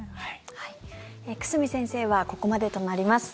久住先生はここまでとなります。